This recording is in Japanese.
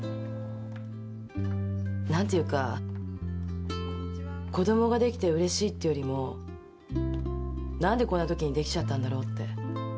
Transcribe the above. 何ていうか子供が出来てうれしいってよりも何でこんなときに出来ちゃったんだろうって。